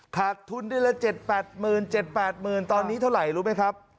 คาดทุนได้ละ๗๘หมื่นตอนนี้เท่าไหร่รู้ไหมครับ